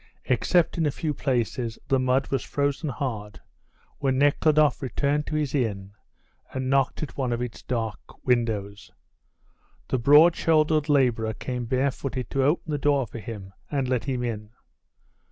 Except in a few places the mud was frozen hard when Nekhludoff returned to his inn and knocked at one of its dark windows. The broad shouldered labourer came barefooted to open the door for him and let him in.